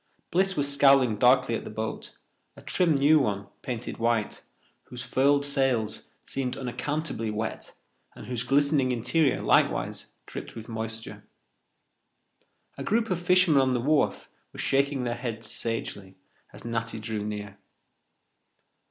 Bliss was scowling darkly at the boat, a trim new one, painted white, whose furled sails seemed unaccountably wet and whose glistening interior likewise dripped with moisture. A group of fishermen on the wharf were shaking their heads sagely as Natty drew near.